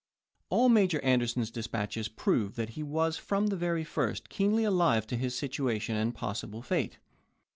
All Major Anderson's dispatches prove that he was from the very first keenly alive to his situa tion and possible fate.